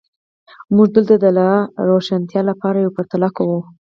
موږ دلته د لا روښانتیا لپاره یوه پرتله کوو.